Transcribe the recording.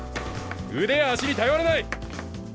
腕や足に頼らない！